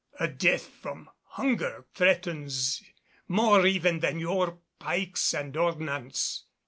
"A death from hunger threatens more even than your pikes and ordnance.